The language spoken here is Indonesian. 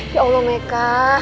ya allah meka